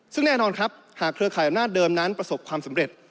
ซึ่งแน่นอนครับหากเครือข่ายอำนาจเดิมนั้นประสบความสำเร็จ